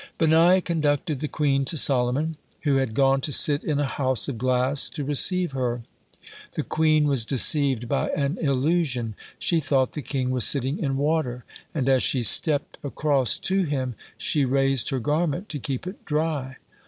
Benaiah conducted the queen to Solomon, who had gone to sit in a house of glass to receive her. The queen was deceived by an illusion. She thought the king was sitting in water, and as she stepped across to him she raised her garment to keep it dry.